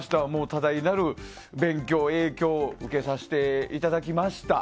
多大なる勉強、影響を受けさせていただきました。